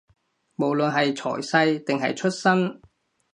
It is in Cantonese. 無論係財勢，定係出身